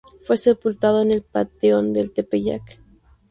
Fue sepultado en el panteón del Tepeyac.